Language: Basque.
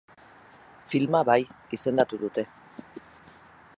Filma bai, izendatu dute.